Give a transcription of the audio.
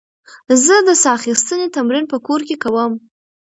زه د ساه اخیستنې تمرین په کور کې کوم.